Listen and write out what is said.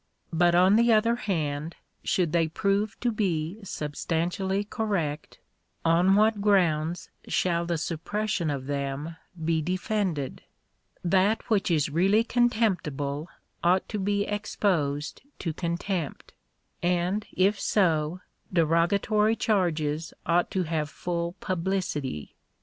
But, on the other hand, should they prove to be substantially correct, on what grounds shall the suppression of them be defended ? That which is really contemptible ought to be exposed to con tempt; and, if so, derogatory charges ought to have full publicity.